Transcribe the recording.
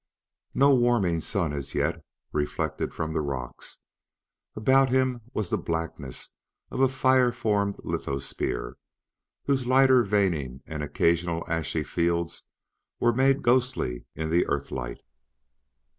No warming sun, as yet, reflected from the rocks. About him was the blackness of a fire formed lithosphere, whose lighter veining and occasional ashy fields were made ghostly in the earthlight.